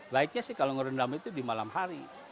baiknya kalau merendam di malam hari